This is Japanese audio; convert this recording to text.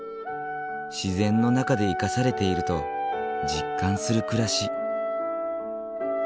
自然の中で生かされていると実感する暮らし。